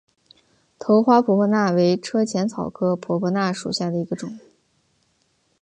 头花婆婆纳为车前草科婆婆纳属下的一个种。